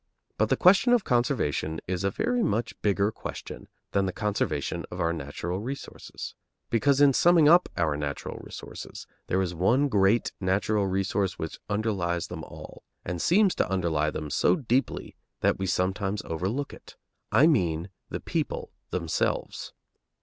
But the question of conservation is a very much bigger question than the conservation of our natural resources; because in summing up our natural resources there is one great natural resource which underlies them all, and seems to underlie them so deeply that we sometimes overlook it. I mean the people themselves.